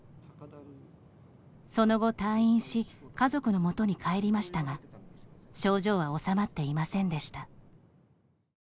その後、退院し家族の元に帰りましたが症状は治まっていませんでした。